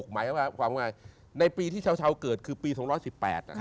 ๓๖หมายความว่าไงในปีที่ชาวเกิดคือปี๒๑๘นะครับ